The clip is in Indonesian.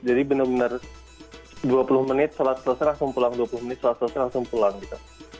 jadi bener bener dua puluh menit sholat selesai langsung pulang dua puluh menit sholat selesai langsung pulang gitu